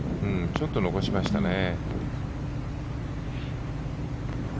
ちょっと残しましたね。